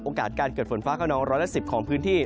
โอกาสการเกิดฝนฟ้าเข้าน้องร้อยละ๑๐ของพื้นที่